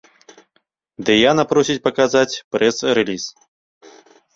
Дыяна просіць паказаць прэс-рэліз.